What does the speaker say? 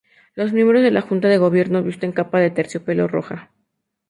Los miembros de la Junta de Gobierno visten capa de terciopelo roja.